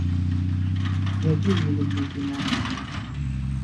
Я вельмі люблю кіно.